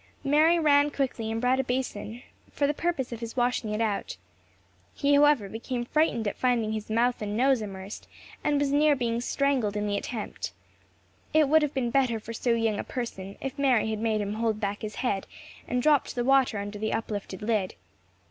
Mary ran quickly and brought a basin, for the purpose of his washing it out. He however became frightened at finding his mouth and nose immersed, and was near being strangled in the attempt. It would have been better for so young a person, if Mary had made him hold back his head, and dropped the water under the uplifted lid.